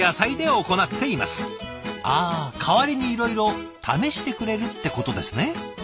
ああ代わりにいろいろ試してくれるってことですね。